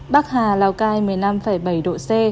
bắc hà lào cai một mươi năm bảy độ c